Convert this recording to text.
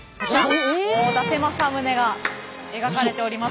伊達政宗が描かれております。